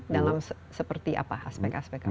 dalam seperti apa aspek aspek